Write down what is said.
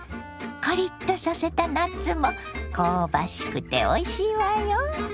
カリッとさせたナッツも香ばしくておいしいわよ。